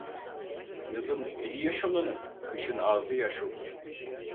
Yazın eli yaş olanın, kışın ağzı yaş olur.